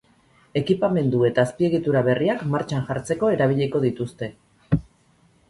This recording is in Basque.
Ekipamendu eta azpiegitura berriak martxan jartzeko erabiliko dituzte.